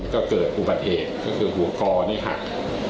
ก็เกิดอุบัติเอกก็คือหัวคอหัก